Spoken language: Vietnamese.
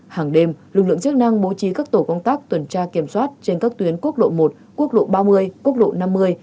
hàng đêm lực lượng chức năng bố trí các tổ công tác tuần tra kiểm soát trên các tuyến quốc lộ một quốc lộ ba mươi quốc lộ năm mươi